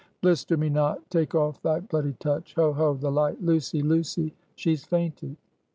"Blister me not! take off thy bloody touch! Ho, ho, the light! Lucy! Lucy! she's fainted!"